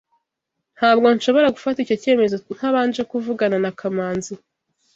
Ntabwo nshobora gufata icyo cyemezo ntabanje kuvugana na Kamanzi